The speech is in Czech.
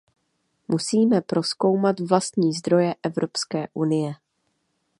Musíme prozkoumat vlastní zdroje Evropské unie.